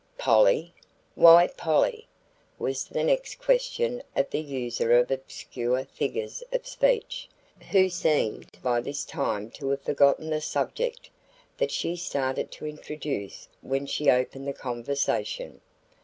"Polly? Why Polly?" was the next question of the user of obscure figures of speech, who seemed by this time to have forgotten the subject that she started to introduce when she opened the conversation.